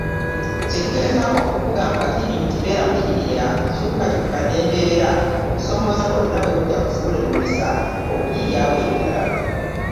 Kyetugezaako okukugamba kiri nti beera muyiiya, kyukakyuka n’embeera:okusoomooza kwonna bwe kujja, kufuule mukisa okuyiiyaawo ekirala